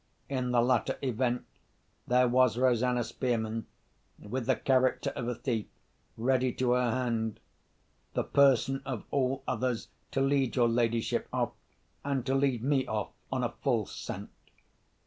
In the latter event there was Rosanna Spearman—with the character of a thief—ready to her hand; the person of all others to lead your ladyship off, and to lead me off, on a false scent."